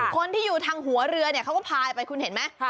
คนที่อยู่ทางหัวเรือเนี่ยเขาก็พายไปคุณเห็นไหม